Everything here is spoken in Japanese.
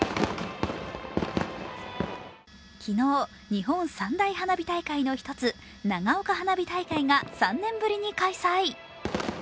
昨日、日本三大花火大会の一つ長岡花火大会が３年ぶりに開催。